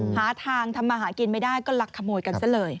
หาทางทำมาหากินไม่ได้ก็ลักขโมยกันซะเลย